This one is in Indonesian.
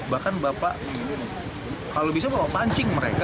bahkan bapak kalau bisa bapak pancing mereka